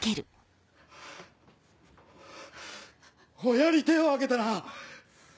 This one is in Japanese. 親に手を上げたな！